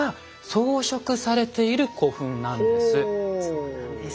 そうなんです。